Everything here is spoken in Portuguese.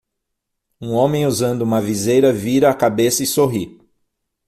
Um homem usando uma viseira vira a cabeça e sorri.